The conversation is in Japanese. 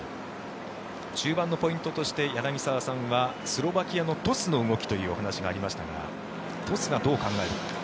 中盤のポイントとして柳澤さんはスロバキアのトスの動きというお話がありましたがトスがどう考えるか。